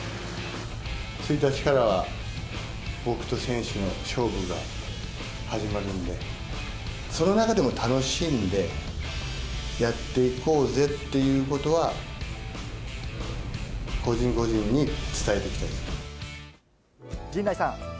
１日からは、僕と選手の勝負が始まるんで、その中でも楽しんで、やっていこうぜっていうことは、陣内さん。